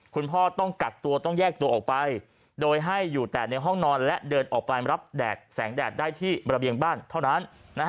คุณพ่อต้องกักตัวต้องแยกตัวออกไปโดยให้อยู่แต่ในห้องนอนและเดินออกไปรับแดดแสงแดดได้ที่ระเบียงบ้านเท่านั้น